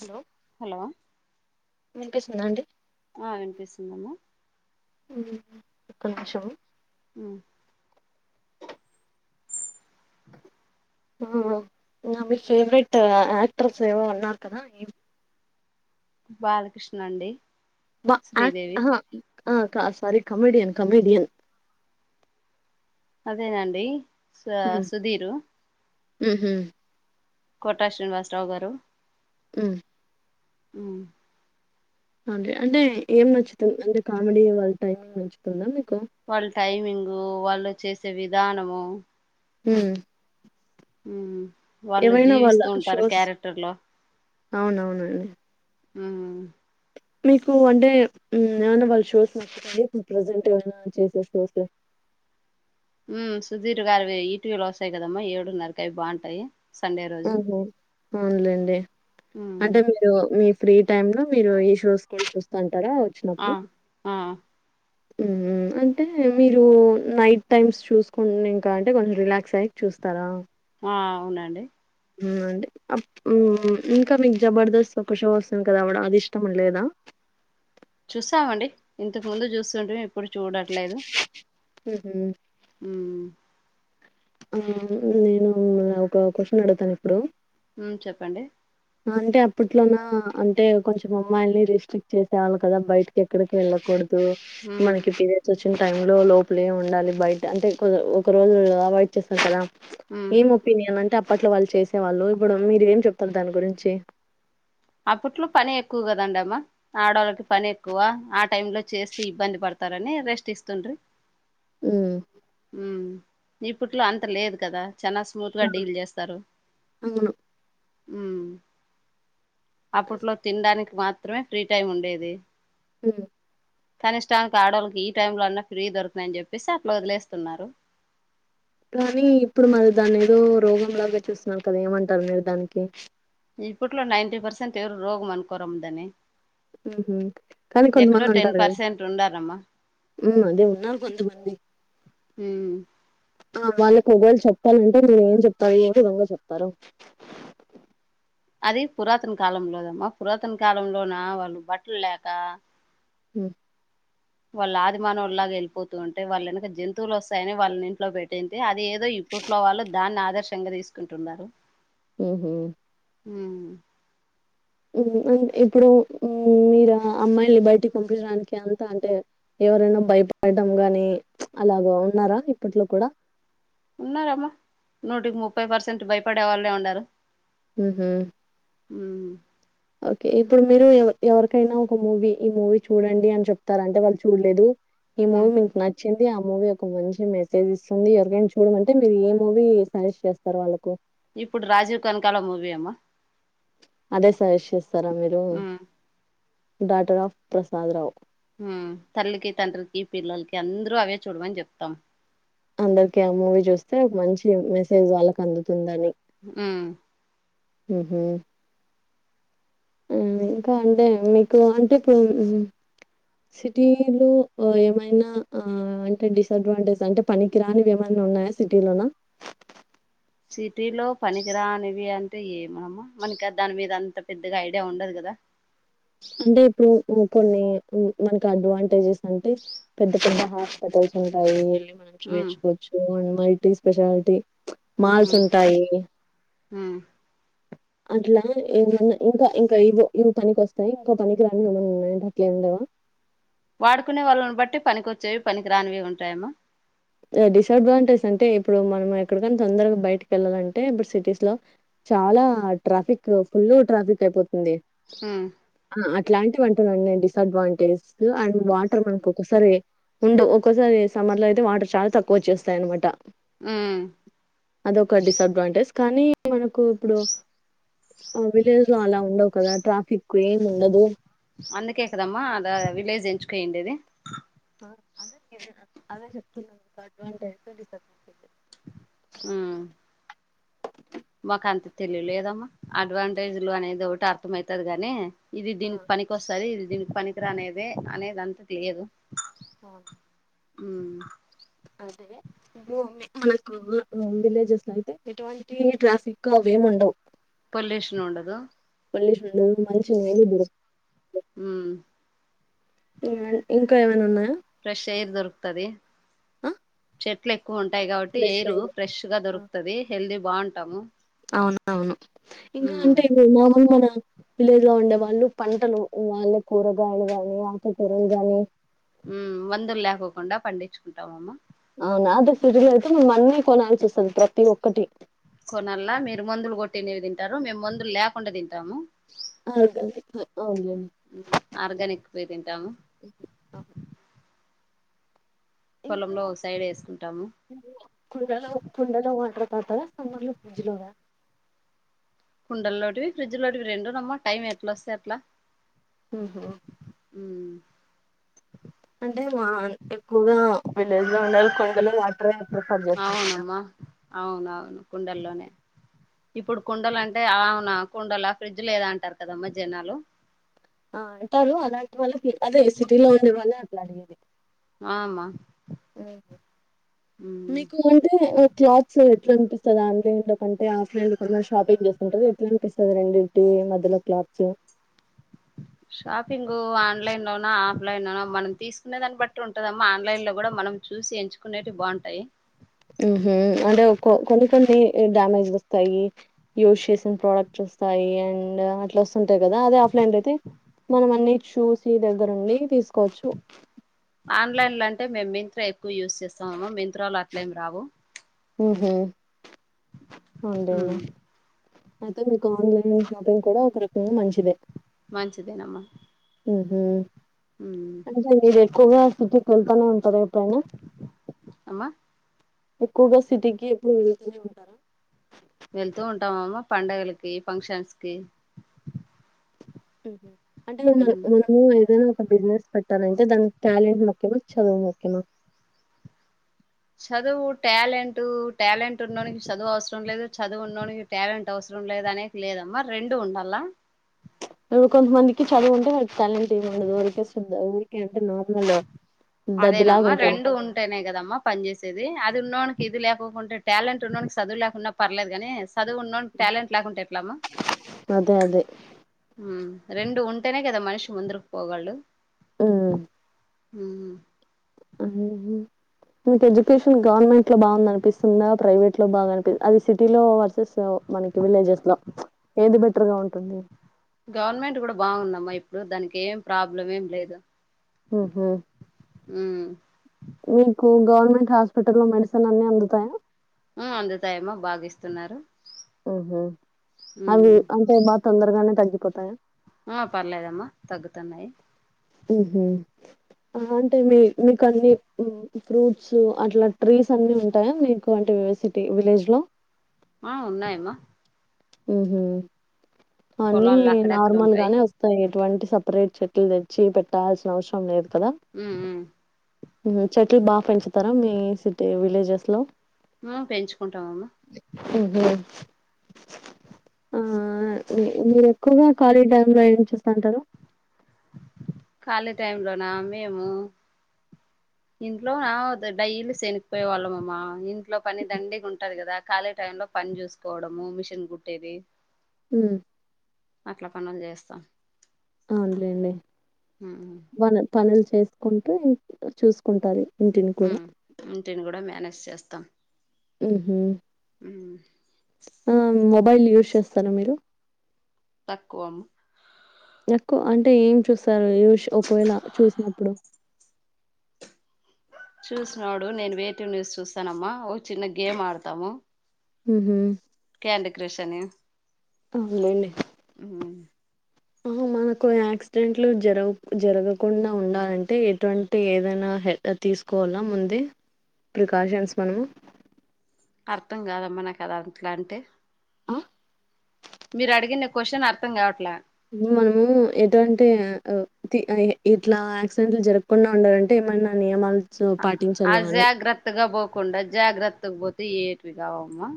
Hello hello వినిపిసస్తుందా అండి ఆ వినిపిస్తుందమ్మా హ్మ్ ఒక్క నిమిషం అ ఆహా మీ ఫేవరెట్ యాక్ట్రస్ ఏవో అన్నారు కదా ఏ బాలకృష్ణ అండి శ్రీదేవి సారి [unintelligible] కమెడియన్ కమెడియన్ అదేనాండి స సుధీరు హు హూ కోటా శ్రీనివాసరావు గారు హ్మ్ హ్మ్ అ అంటే ఏం నచ్చుతుంది అంటే కామెడీ వాళ్ళ టైం నచ్చుతుందా మీక్ వాళ్ళ టైమింగ్ వాళ్ళ చేసే విధానము హ్మ్ హ్మ్ ఏవైనా వాళ్ళ షోస్ లో అవునవునండ్ ఆ మీకు అంటే ఏమైనా వాళ్ళ షోస్ నచ్చడి ప్రజెంట్ ఏమనా చేసే షోస్ [unintelligible] ఉ సుధీర్ గారివి ఈటివిలో వస్తాయి కదమ్మా ఏడున్నారకి అవి బాగుంటాయి సండే రోజు ఓహో అవునులేండి ఉమ్ అంటే మీరు మీ ఫ్రీ టైమ్ లో మీరు ఈ షోస్ కి వెళ్ళేసి వస్తాండు ఉంటారా ఆ వచ్చినప్పుడు ఆ అంటే మీరు నైట్ టైమ్స్ చూసుకు ఇంకా అంటే కొంచెం రిలాక్స్ అయ్య చూస్తారా ఆ అవునండి అంటే ఇంకా మీకు జబర్దస్త్ ఒక షో వస్తుంది కదా అది ఇష్టం లేదా చూసామండి ఇంతకు ముందు చూస్తుంటేే ఇప్పుడు చూడట్లేదు మ్మ్ హ్మ్ మ్మ్ ఆ నేను ఒక క్వశ్చన్ అడుగుతాను ఇప్పుడు ఉమ్ చెప్పండి అంటే అప్పట్లోన అంటే కొంచెం అమ్మాయిని రిస్ట్రిక్ట్ చేసేవాళ్ళు కదా బయటకి ఎక్కడికి వెళ్ళకూడదు తో ఉమ్ మనకి పీరియడ్స్ వచ్చినప్పుడు వచ్చిన టైంలో లోపలే ఉండాలి బయట అంటే ఒక రోజు అవాయిడ్ చేస్తాను కదా ఉమ్ ఏం ఒపనియన్ అంటే అ పట్ల వాళ్ళ చేసే వాళ్ళు ఇప్పుడు మీరు ఏం చెప్తారు దాని గురించి చే అప్పట్లో పని ఎక్కువ కదండ అమ్మా ఆడోళ్ళకి పని ఎక్కువ ఆ టైమ్ లో చేస్తే ఇబ్బంది పడతారని రెస్ట్ ఇస్తుండ్రి మ్మ్ ఇప్పట్లో అంత లేదు కదా చానా స్మూత్గా డీల్ చేస్తారు అవును మ్మ్ అప్పట్లో తినడానిక్ మాత్రమే ఫ్రీ టైమ్ ఉండేది హ్మ్ కనిష్టానికి ఆడోళ్లకి ఈ టైమ్ లో అన్న ఫ్రీ దొరుకునయని చెప్పేసి అట్లా వదిలేస్తున్నారు కానీ ఇప్పుడు మరి దాన్ని ఏదో రోగంలాగా చూస్తున్నారు కదా ఏమంటారు మీరు దానికి ఇప్పట్లో నైన్టీ పర్సెంట్ ఎవరు రోగం అనుకోరామ దాని మ్మ్ హ్మ్ కానీ కొంతమంది ఉంటారు పర్సెంట్ ఉండారమ్మా కదా అదే ఉన్నారు కొంతమంది ఉమ్ ఆ వాళ్లకి ఒవల్ చెప్పాలంటే మీరు ఏం చెప్తారు ఏ విధంగా చెప్తారు అది పురాతన కాలంలోదమ్మా పురాతన కాలంలోన వాళ్లు బట్టల్ లేక హ్మ్ వాళ్ళ ఆదిమానవు లాగా వెళ్లిపోతుంటే వాళ్ళ వెనక జంతువులు వస్తాయని వాళ్ళని ఇంట్లో పెట్టేంటి అది ఏద్ దో ఇప్పట్లో వాళ్లు దాన్నాధర్ రామ్గా తీసుకుంటున్నారు హ్మ్ హ్మ్ ఇవి నీ అంట్ ఇప్పుడు హు మీరు ఆ అమ్మాయిల్ని బయిటికి పంపింయడానికి అంతా అంటే ఎవరైనా భయపడడం గాని అలాగ ఉన్నారా ఇప్పట్లో కూడా ఉన్నారమ్మా నూటికి ముప్పై పర్సెంట్ భయపడే వాళ్లే ఉన్నారు ఉహు హు ఓకే ఇప్పుడు మీరు ఎవర్ ఎవరికైనా ఒక మూవీ ఈ మూవీ చూడండి అని చెప్తారంటే వాళ్ళు చూడలేదు ఈ ఉమ్ మూవీ మీకు నాచ్చ నచ్చింది ఆ మూవీ ఒక మంచి మెసేజ్ ఇస్తుంది ఎవరికైనా చూడాలంటే మీరు ఏ మూవీ సజెస్ట్ చేస్తారు వాళ్లకు ఇప్పుడు రాజీవ్ కనకాల మూవీ అమ్మ అదే సజెస్ట్ చేస్తా తార మీరు ఉమ్ డాటర్ ఆఫ్ ప్రసాద్ రావు ఉమ్ జు అవే చూడమని చెప్తాం అందరికి ఆ మూవీ చూస్తే మంచి మెసేజ్ వాళ్లకి అందుతుందని హు ఉహు హు ఇంకా అంటే మీకు అంటే ఇప్పుడు హు సిటీలు ఏమైనా ఆ అంటే డిసడ్వాంటేజ్ అంటే పనికి రానివి ఏమైనా ఉన్నాయా సిటీలోన ఉంటాయి మామ మనకు దాని మీద అంత అంత పెద్దగా ఐడియా ఉండదు కదా అంటే ఇప్పుడు కొన్ని మనకి అడ్వాంటేజస్ అంటే పెద్ద పెద్ద హాస్పిటల్స్ ఉంటాయి మనం ఉమ్ చూయించుకోవచ్చు మై టి స్పెషాలిటీ మాల్స్ ఉమ్ ఉంటాయి ఉమ్ అట్లా ఏమన్నా ఇంకా ఇంకా ఇవో ఇవి పనికి వస్తాయి ఇంకా పనికి రానివి ఏమన్నా ఉన్నాయంటే అట్లే ఏమె ఉండవా వాడుకునే వాళ్ళ బట్టి పనికి వచ్చేవి పనికి రానివి ఉంటాయి అమ్మ డిసఅడ్వాంటేజ్ అంటే ఇప్పుడు మనం ఎక్కడికనా తొందరగా బయటకి వెళ్ళాలంటే ఇప్పుడు సిటీస్ లో చాలా ట్రాఫిక్ ఫుల్ ట్రాఫిక్ అయిపోతుంది హు ఇలాంటివి అటున్నా డిసడ్వాంటేజ్ అండ్ వాటర్ మనాకో ఒక్కసారి ఉండవు ఒక్కోసారి సమ్మర్ లో అయితే వాటర్ చాలా తక్కువ వచ్చేస్తాయి అన్నమాట ఉమ్ అదొ ఒక డిసడ్వాంటేజ్ కానీ మనకు ఇప్పుడు విలేజ్ లో అలా ఉండవు కదా ట్రాఫిక్ కే ఉండదు దా విలేజ్ ఎంచుకో ఏంటిది అ అదే చెపు అదే చెప్తున్నా అడ్వాంటేజ డిసడ్వాంటేజ ఉహు మాకు అంత తెలివిలేదమ్మా అడ్వాంటేజ్లు అనేది ఒకటి అర్థం అవుతది గాని ఇది దీనికి పనినికి వస్తంది ఇది దీనికి పనికి పనికిరానిది అనేది అంతా తెలియదు ఆ ఊ అదే ఇడు మనకు విలేజెస్ లో అయితే ఎటువంటి ట్రాఫిక్ అవేమి ఉండవు పొల్యూషన్ ఉండదు [unintelligible] చెయ్యాలిబ్బుడు ఉమ్మ్ [unintelligible] ఇంకా ఏమైనా ఉన్నాయ ఫ్రెష్ ఎయిర్ దొరు తది ఆ చెట్లే క్కువుంటాయి కాబట్టి ఎయిర్ ఫ్రెష్ గా దొరుకుతది హెల్దీ బావుంటాము అవున్ అవును ఇంకా అంటే [unintelligible] మామూలు మన విలేజ్ లో ఉండే వాళ్ళు పంటలు వాళ్ళ కూరగాయలు గాని ఆకు కూరలు గాని ఉమ్మ్ మందులు లేకోకుండా పండిచ్చుకుంటామమ్మ అవునా అదే సిటీ లో అయితే మేం అన్నీ కొనాల్సొస్తుంది ప్రతి ఒక్కటి కొనాల్ల మీరు మందులు కొట్టిండేవి తింటారు మేము మందులు లేకుండా తిన్ [unintelligible] పోయి తింటాము [unintelligible] ఇంకా పొలంలో ఒక సైడ్ వేసుకుంటాము [unintelligible] కుండలో కుండలో వాటరు తాగుతారా [unintelligible] ఫ్రిజ్జు లోదా కుండల్లోటివి ఫ్రిడ్జ్ లోటివి రెండూనమ్మా టైం ఎట్లోస్తే అట్ల ఊహూ ఉమ్మ్ అంటే మా ఎక్కువగా విలేజ్ [unintelligible] ప్రిఫర్ చేస్తారు కదా అవునమ్మా అవునవును కుండల్లోనే ఇప్పుడు కుండలు అంటే అ ఔనా కుండలా ఫ్రిజ్ లేదా అంటారు కదమ్మా జనాలు ఆ అంటారు అలాంటి వాళ్ళకి అదే సిటీలో ఉండే వాళ్ళ లడిగేది ఆ అమ్మా ఉమ్ మీకు అంటే క్లాత్స్ ఎట్లనిపిస్తాది ఆన్లైన్ లో కంటే ఆఫ్లైన్ లో [unintelligible] షాపింగ్ చేస్తుంటే ఎట్లనిపిస్తాది రెండింటి మధ్యలో క్లాత్స్ షాపింగు ఆన్లైన్ లోనా ఆఫ్లైన్ లోనా మనం తీసుకునే దాన్ని బట్టి ఉంటుదమ్మా ఆన్లైన్ లో కూడా మనం చూసి ఎంచుకునేటివి బావుంటాయి ఊహూ అంటే కొన్ని కొన్ని డ్యామేజ్ లొస్తాయి యూస్ చేసిన ప్రోడక్ట్ వొస్తాయి అండ్ అట్లా తుంటయి కదా అదే ఆఫ్లైన్ లో ఐతే మనం అన్ని చూసి దగ్గరుండి తీసుకోవచ్చు ఆన్లైన్లో అంటే మేము మింత్రా ఎక్కువ యూజ్ చేస్తామమ్మా మింత్రాలో అట్లేం రావు ఊహూ ఉండే ఉమ్ అయితే మీకు ఆన్లైన్ లో షాపింగ్ కూడా ఒక రకంగా మంచిదే మంచిదేనమ్మా ఆ హ కొవస్తుట్ కళ్తననే ఉంటార పోను అమ్మా [inaudible] ఎక్కువగా సిటీకి ఎప్పుడు వెళ్తూనే ఉంటారా వెళ్తూ ఉంటామమ్మ పండగలకి ఫంక్షన్స్ కి హహ అంటే ముము ఏదైనా ఒక బిజినెస్ ప నే దానికి క్యాలెంట్ ముఖ్యమా చదువు ముఖ్యమా చదువు టాలెంట్ టాలెంట్ ఉండడానికి చదువు అవసరం లేదు చదువు ఉండడానికి టాలెంట్ అవసరం లేదు అనే లేదమ్మా రెండు ఉండాల ఇడు కొంతమందికి చదువు ఉంటే వాళకి టాలెంట్ ఇది ఉండదు ఊరికే ఊరికే అంటే నార్మల్ దద్దిలాగా అదేనమ్మా ఉంటాడు రెండు ఉంటేనే కదమ్మా పని చేేసేది అ ఇది ఉన్ననికి ఇది లేకుంటే టాలెంట్ ఉండడానికి చదువు లేకుండా పర్లేదు కాగానీ చదువున్న టాలెంట్ లాగాంటాయి ఎట్లమ్మా అదే అదే రెండు ఉంటేనే కదా మనిషి ముందకు పోగళ్ళు ఆ హ మకు ఎడ్యుకేషన్ గవర్నమెంట్ లో బాగుంది అనిపిస్తుందా ప్రైవేట్ లో బాగానిపి అది సిటీలో వర్సెస్ మనకి విలేజెస్ లో ఏది బెటర్ గా ఉంటుంది గవర్నమెంట్ కూడా బాగుందమ్మా ఇప్పుడు దానికి ఏం ప్రాబ్లం ఏం లేదు హహ అ గవర్నమెంట్ హాస్పిటల్ లో మెడిసిన్ అన్ని అందుతాయా అందుతాయమో బాగాస్తున్నారు ఉహ అవి అంటే బాగా తొందరగానే తగ్ పతయా ఆ పర్లేదమ్మా తగ్గుతున్నాయి అంటే మీ మీకు అన్ని ఫ్రూట్స్ అట్లా ట్రీస్ అన్ని ఉంటాయా మీకు అంటే సిటీ విలేజ్ లో ఆ ఉన్నాయమ్మా ఉహ అన్నీ పొలాల్లో అక్కడక్కడ నార్మల్ ఉంటాయి గానే వస్తాయి ఇటువంటి సపరేట్ చెట్లు తెచ్చి పెట్టాల్సిన అవసరం లేదు కదా ఉమ్ ఉమ్ చెట్ బాగా పెంచుతారా మీ అ విలేజెస్ లో పెంచుకుంటామ్మ [inaudible] ఆ మీరు ఎక్కువగా కాలేజీ టైమ్ లో ఏం చూస్తంటారు ఖాళీ టై లోనా మేము ఇందుట్లో నా డైలీ సనకిపోయి వళ్ళమమా లో పని దండిగా ఉంటది కదా ఖాళీ టై లో పని చూసుకోవడము మిషన్ కుట్టేది హ్మ్మ్ అట్లా పనులు చేస్తాం అవునులేండి ఉమ్ పన పనులు చేసుకుంటూ ఇ చూసుకుంటారు ఇంటిని కూడా. హ్మ్మ్ ఇంటిని కూడా మేనేజ్ చేస్తాం ఉహ ఉమ్ ఆ మ మొబైల్ యూస్్ చేస్తారా మీరు తక్కువం ఎక్కువ అంటే ఏం చూస్తారు న్యూస్ ఒకవేళ చూసినప్పుడు చూసినడు నేను వెటివ్ న్యూస్ చూస్తానమ్మా ఓ చిన్న గేమ్ ఆడతాము హ్మ్మ్ ఏంటి కృషి అని అవునులేండి. హ్మ్మ్ మనకు యాక్సిడెంట్లు జరగు జరగకుండా ఉండాలంటే ఎటువంటి ఏదైనా హెడ్ తీసుకోవాలా ముందే ప్రికాషన్స్ మనము అర్థం కాదమ్మా నాకుద అట్లా అంటిే ఆ మీరు అడిగిన క్వశ్చన్ అర్థం కావట్లా మనము ఎటువంటి ఇట్లా యాక్సిడెంట్లు జరగకుండా ఉండాలంటే ఏమన్నా నియమాలు ఆ పాటించాలా అని జాగ్రత్తగా బకుండ జాగ్రత్తగా బతు తిఏట్వకావమ్మా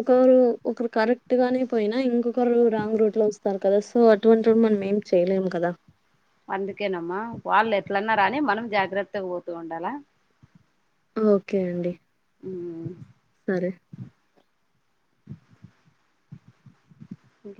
ఒకరు ఒకరు కరెక్ట్ గానే పోయినా ఇంకొకరు రాంగ్ రూట్ లో వస్తారు కదా సో అటువంటి మనం ఏం చేయలేము కదా అందుకేనమ్మా వాళ్ళు ఎట్లన్నార అని మనం జాగ్రత్తగా పోతూ ఉండాలా ఓకే అండి హ్మ్మ్ సరే